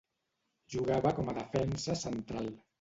Jugava com a defensa central.